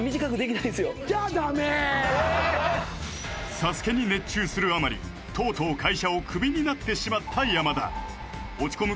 ＳＡＳＵＫＥに熱中するあまりとうとう会社をクビになってしまった山田落ち込む